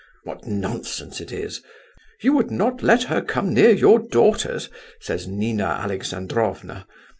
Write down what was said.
What nonsense it is! You would not let her come near your daughters, says Nina Alexandrovna.